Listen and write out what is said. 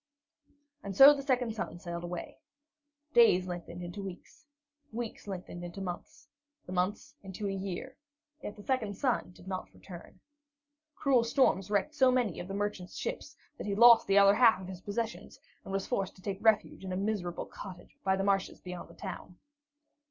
And so the second son sailed away. Days lengthened into weeks, weeks lengthened into months, the months into a year, yet the second son did not return. Cruel storms wrecked so many of the merchant's ships that he lost the other half of his possessions, and was forced to take refuge in a miserable cottage by the marshes beyond the town.